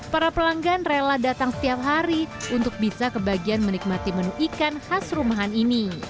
para pelanggan rela datang setiap hari untuk bisa kebagian menikmati menu ikan khas rumahan ini